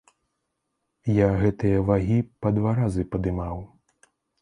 Я гэтыя вагі па два разы падымаў.